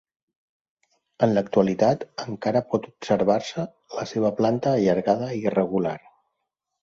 En l'actualitat encara pot observar-se la seva planta allargada i irregular.